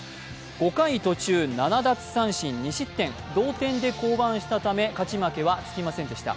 ５回途中７奪三振２失点、同点で降板したため、勝ち負けはつきませんでした。